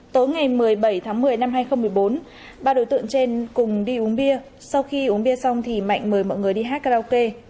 tối ngày một mươi bảy tháng một mươi năm hai nghìn một mươi bốn ba đối tượng trên cùng đi uống bia sau khi uống bia xong thì mạnh mời mọi người đi hát karaoke